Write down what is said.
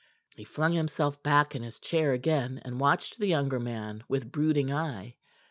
He flung himself back in his chair again, and watched the younger man with brooding eye.